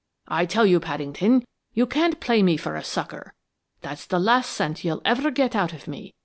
I tell you, Paddington, you can't play me for a sucker. That's the last cent you'll ever get out of me.